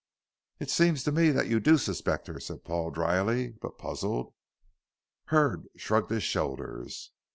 "It seems to me that you do suspect her," said Paul dryly, but puzzled. Hurd shrugged his shoulders.